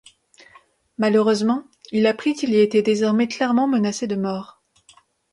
Malheureusement, il apprit qu'il y était désormais clairement menacé de mort.